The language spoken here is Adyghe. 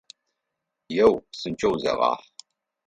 Еу, псынкӏэу зегъахь!